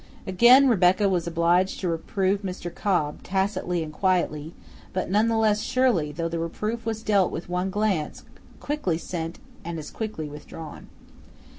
Again Rebecca was obliged to reprove Mr. Cobb, tacitly and quietly, but none the less surely, though the reproof was dealt with one glance, quickly sent and as quickly withdrawn.